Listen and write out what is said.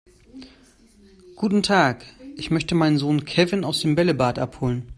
Guten Tag, ich möchte meinen Sohn Kevin aus dem Bällebad abholen.